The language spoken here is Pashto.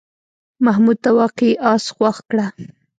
محمود ته واقعي آس خوښ کړه.